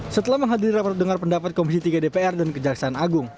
setelah menghadiri rapat dengar pendapat komisi tiga dpr dan kejaksaan agung